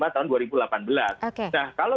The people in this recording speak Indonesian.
tahun dua ribu delapan belas nah kalau